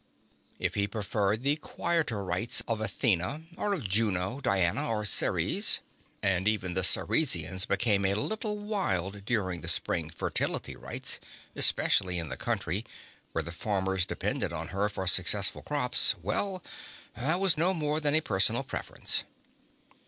If he preferred the quieter rites of Athena, or of Juno, Diana or Ceres and even Ceresians became a little wild during the spring fertility rites, especially in the country, where the farmers depended on her for successful crops well, that was no more than a personal preference.